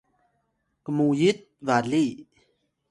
kmuyit bali